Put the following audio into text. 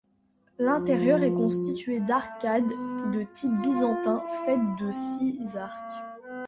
L'intérieur est constitué d'arcades de type byzantin faites de six arcs.